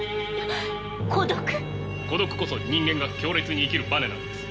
孤独こそ人間が強烈に生きるバネなのです。